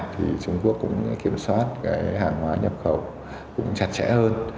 thì trung quốc cũng kiểm soát hàng hóa nhập khẩu chặt chẽ hơn